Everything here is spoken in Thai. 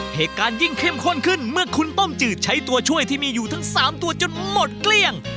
ยิ่งเข้มข้นขึ้นเมื่อคุณต้มจืดใช้ตัวช่วยที่มีอยู่ทั้ง๓ตัวจนหมดเกลี้ยง